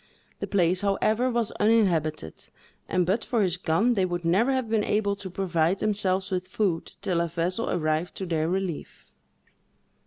The place, however, was uninhabited, and but for his gun, they would never have been able to provide themselves with food till a vessel arrived to their relief.